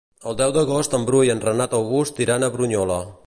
El deu d'agost en Bru i en Renat August iran a Bunyola.